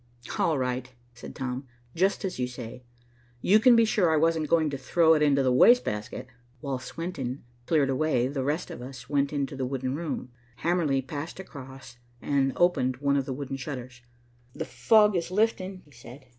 "All right," said Tom. "Just as you say. You can be sure I wasn't going to throw it into the waste basket." While Swenton cleared away, the rest of us went into the wooden room. Hamerly passed across and opened one of the wooden shutters. "The fog is lifting," he said.